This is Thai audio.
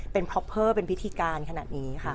โพปเปิ้ลเป็นพิธีการขนาดนี้ค่ะ